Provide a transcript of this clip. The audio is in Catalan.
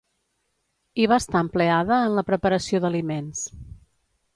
Hi va estar empleada en la preparació d'aliments.